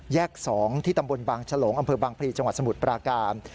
๒ที่ตำบลบางฉลงอำเภอบางพลีจังหวัดสมุทรปราการ